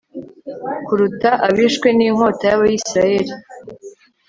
kuruta abishwe n'inkota y'abayisraheli